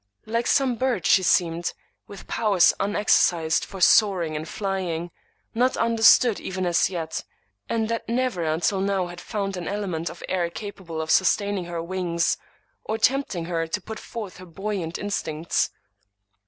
Like some bird she seemed, with powers unexer cised for soaring and flying, not understood even as yet, and that never until now had found an element of air capable of sustaining her wings, or tempting her to put forth her buoyant instincts.